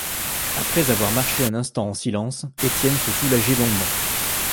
Après avoir marché un instant en silence, Étienne se soulageait longuement.